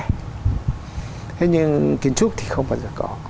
thế nhưng kiến trúc thì không bao giờ có